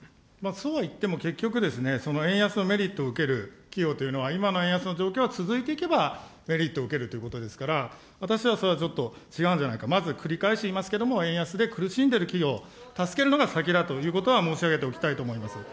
そうはいっても結局、円安のメリットを受ける企業というのは、今の円安の状況が続いていけば、メリットを受けるということですから、私はそれはちょっと違うんじゃないか、まず繰り返し言いますけれども、円安で苦しんでいる企業を助けるのが先だということは申し上げておきたいと思います。